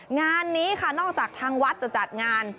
งานนี้ค่ะนอกจากทางวัดจะจัดงาน